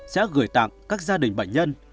sẽ gửi tặng các gia đình bệnh nhân